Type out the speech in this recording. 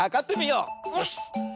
よし。